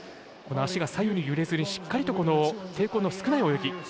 足が左右に揺れずにしっかりと抵抗の少ない泳ぎ。